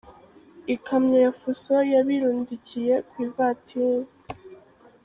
Ikamyo ya Fuso yabirindukiye ku ivatiri